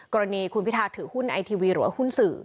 กรณีคุณพิทาถือหุ้นไอทีวีหรือว่าหุ้นสื่อ